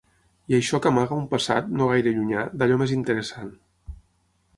I això que amaga un passat, no gaire llunyà, d’allò més interessant.